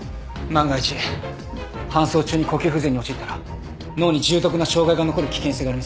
万が一搬送中に呼吸不全に陥ったら脳に重篤な障害が残る危険性があります。